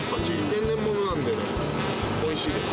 天然物なんで、おいしいですよ。